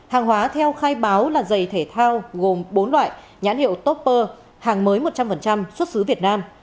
hàng hóa theo khai báo là giày thể thao gồm bốn loại nhãn hiệu toper hàng mới một trăm linh xuất xứ việt nam